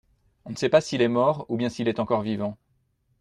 On ne sait pas s’il est mort ou bien s’il est encore vivant.